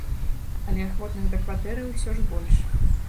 Але ахвотных да кватэры ўсё ж больш.